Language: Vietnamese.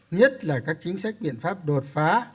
nhất là các chính sách biện pháp đột phá